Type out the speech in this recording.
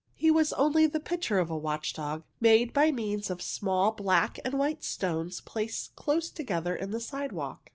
He was only the picture of a watchdog, made by means of small black and white stones placed close together in the sidewalk.